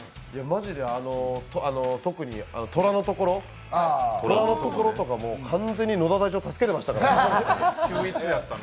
特に虎のところとかも完全に野田隊長、助けてましたからね。